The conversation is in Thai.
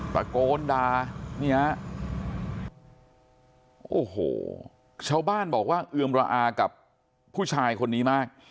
ตะโกนด่าเนี่ยโอ้โหชาวบ้านบอกว่าเอือมระอากับผู้ชายคนนี้มาก